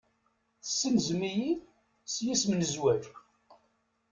Tessenzem-iyi s yisem n zzwaǧ.